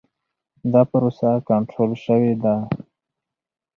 دا پروسه کنټرول شوې ده.